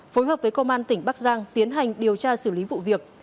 phối hợp với công an tỉnh bắc giang tiến hành điều tra xử lý vụ việc